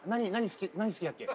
何好きだっけ？